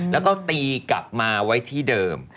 แล้วก็ตีกลับมาไว้ที่เดิม